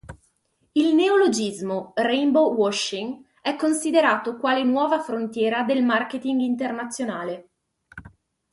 Il neologismo "rainbow washing" è considerabile quale nuova frontiera del marketing internazionale.